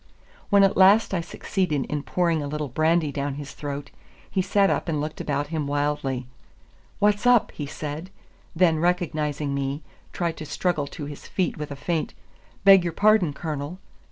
When at last I succeeded in pouring a little brandy down his throat, he sat up and looked about him wildly. "What's up?" he said; then recognizing me, tried to struggle to his feet with a faint "Beg your pardon, Colonel."